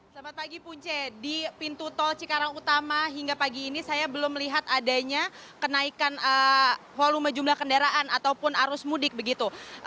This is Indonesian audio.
selamat pagi punce di pintu tol cikarang utama hingga pagi ini saya belum melihat adanya kenaikan volume jumlah kendaraan ataupun arus mudik begitu